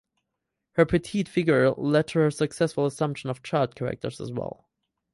Her petite figure led to her successful assumption of child characters as well.